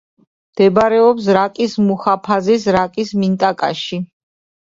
მდებარეობს რაკის მუჰაფაზის რაკის მინტაკაში.